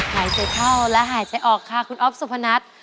หายใจเข้าและหายใจออกค่ะคุณอ๊อฟสุพนัท